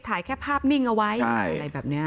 ถ่ายแค่ภาพนิ่งเอาไว้อะไรแบบนี้